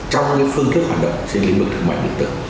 trong phương thức hoạt động trên lĩnh vực thương mại điện tử